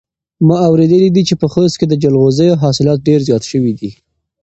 ما اورېدلي دي چې په خوست کې د جلغوزیو حاصلات ډېر زیات شوي دي.